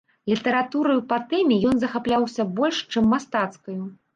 Літаратураю па тэме ён захапляўся больш, чым мастацкаю.